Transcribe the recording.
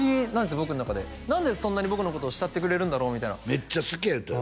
僕の中で何でそんなに僕のことを慕ってくれるんだろうみたいなめっちゃ好きや言うてたよ